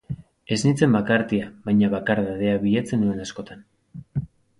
Ez nintzen bakartia, baina bakardadea bilatzen nuen askotan.